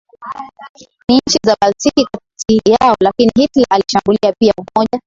na nchi za Baltiki kati yao lakini Hitler alishambulia pia Umoja